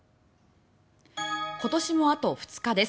今年もあと２日です。